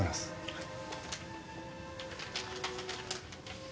はい。